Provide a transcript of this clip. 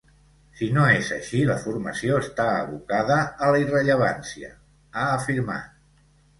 Si no és així, la formació està abocada a la irrellevància, ha afirmat.